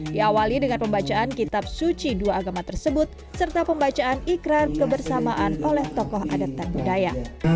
diawali dengan pembacaan kitab suci dua agama tersebut serta pembacaan ikrar kebersamaan oleh tokoh adat dan budaya